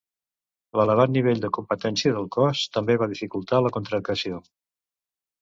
L'elevat nivell de competència del cos també va dificultar la contractació.